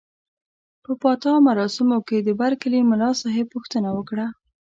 په پاتا مراسمو کې د برکلي ملاصاحب پوښتنه وکړه.